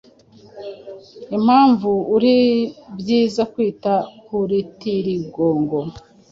Impamvu ari byiza kwita ku rutirigongo